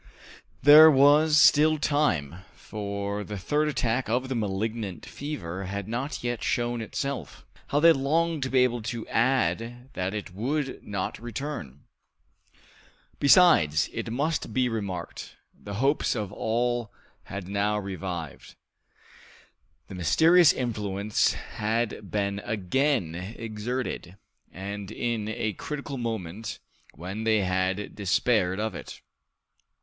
There was still time, for the third attack of the malignant fever had not yet shown itself. How they longed to be able to add that it would not return! Besides, it must be remarked, the hopes of all had now revived. The mysterious influence had been again exerted, and in a critical moment, when they had despaired of it.